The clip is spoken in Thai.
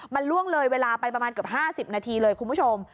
มันล่วงเลยเวลาไปประมาณเกือบ๕๐นาทีเลยคุณผู้ชม